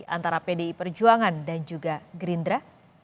antara pdi perjuangan dan juga gerindra